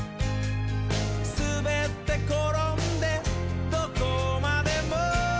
「すべってころんでどこまでも」